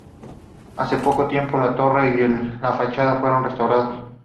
Hace poco tiempo la torre y la fachada fueron restaurados.